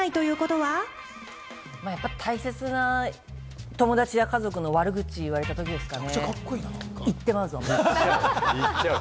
やっぱ、大切な友達や家族の悪口言われたときですかね。